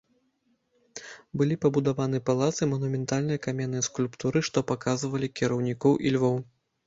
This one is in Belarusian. Былі пабудаваны палац і манументальныя каменныя скульптуры, што паказвалі кіраўнікоў і львоў.